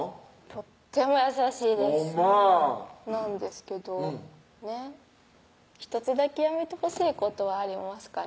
とっても優しいですほんまなんですけどねっ１つだけやめてほしいことはありますかね